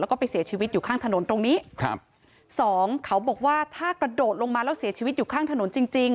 แล้วก็ไปเสียชีวิตอยู่ข้างถนนตรงนี้ครับสองเขาบอกว่าถ้ากระโดดลงมาแล้วเสียชีวิตอยู่ข้างถนนจริงจริง